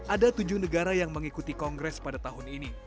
ada tujuh negara yang mengikuti kongres pada tahun ini